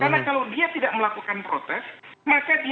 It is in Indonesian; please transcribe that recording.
karena kalau dia tidak melakukan protes maka dia harus melakukan protes